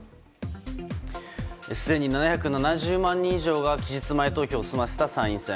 すでに７７０万人以上が期日前投票を済ませた参院選。